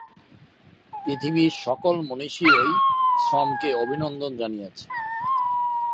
পৃথিবীর সকল মনীষীই শ্রমকে অভিনন্দন জানিয়েছেন।